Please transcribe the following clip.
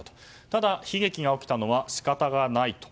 ただ、悲劇が起きたのは仕方がないと。